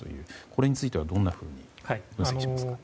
これについてはどんなふうに見ていますか。